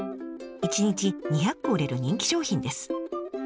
一日２００個売れる人気商品です。